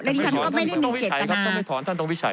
แล้วดิฉันก็ไม่ได้มีเจตนา